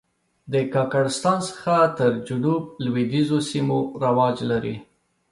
د کاکړستان څخه تر جنوب لوېدیځو سیمو رواج لري.